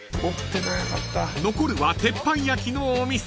［残るは鉄板焼きのお店］